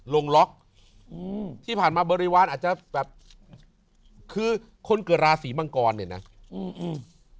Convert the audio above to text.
ลงล็อกอืมที่ผ่านมาบริวารอาจจะแบบคือคนเกิดราศีมังกรเนี่ยนะอืมอืม